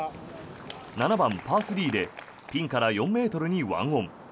７番、パー３でピンから４ｍに１オン。